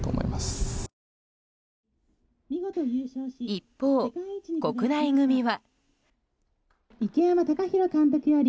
一方、国内組は。